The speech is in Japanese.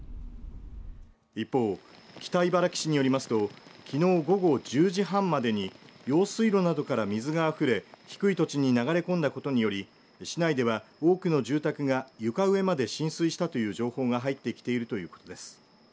一方、北茨城市によりますときのう午後１０時半までに用水路などから水があふれ低い土地に流れ込んだことにより市内では多くの住宅が床上まで浸水したという情報が入ってきているということです。